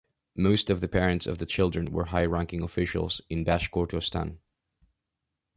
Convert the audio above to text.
Most of the parents of the children were high-ranking officials in Bashkortostan.